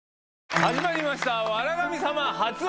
始まりました、笑